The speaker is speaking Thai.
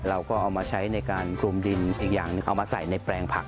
เราก็เอามาใช้ในการคลุมดินอีกอย่างหนึ่งเอามาใส่ในแปลงผัก